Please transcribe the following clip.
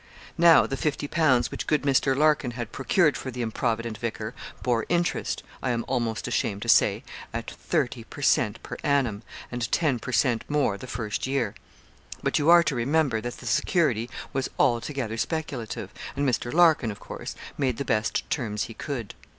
Now, the fifty pounds which good Mr. Larkin had procured for the improvident vicar, bore interest, I am almost ashamed to say, at thirty per cent. per annum, and ten per cent. more the first year. But you are to remember that the security was altogether speculative; and Mr. Larkin, of course, made the best terms he could.